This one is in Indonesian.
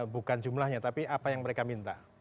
bukan jumlahnya tapi apa yang mereka minta